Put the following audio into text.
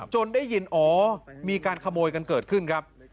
ได้ยินอ๋อมีการขโมยกันเกิดขึ้นครับ